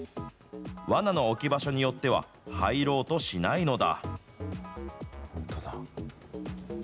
わなの置き場所によっては、入ろうとしないのだ。